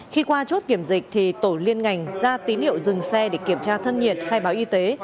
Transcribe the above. khi qua chốt kiểm dịch thì tổ liên ngành ra tín hiệu dừng xe để kiểm tra thân nhiệt khai báo y tế